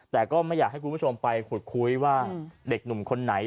แต่ก็ไม่อยากให้คุณผู้ชมไปขุดคุยว่าเด็กหนุ่มคนไหน